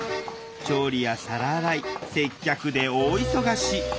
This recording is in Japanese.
調理や皿洗い接客で大忙し。